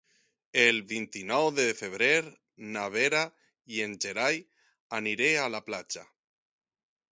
El vint-i-nou de febrer na Vera i en Gerai aniré a la platja.